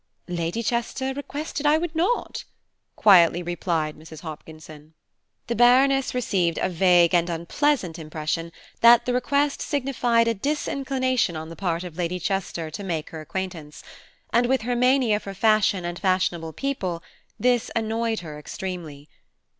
"Lady Chester requested I would not," quietly replied Mrs. Hopkinson. The Baroness received a vague and unpleasant impression that the request signified a disinclination on the part of Lady Chester to make her acquaintance, and with her mania for fashion and fashionable people this annoyed her extremely.